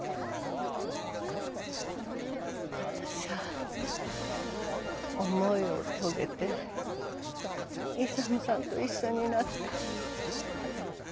私ゃあ思いを遂げて勇さんと一緒になった。